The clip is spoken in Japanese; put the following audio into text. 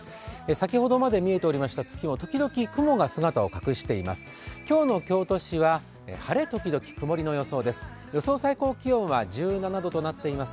先ほどまで見えてました月も時々、雲が姿を隠しています。